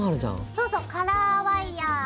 そうそうカラーワイヤー。